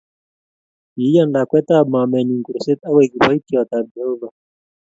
Kiyaan lakwetab mamaenyu kurset agoek kiboityotab jehovah